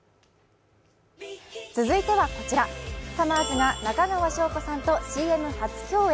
続いてはこちらさまぁずが中川翔子さんとＣＭ初共演。